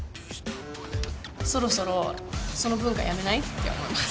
そろそろその文化やめない？って思います。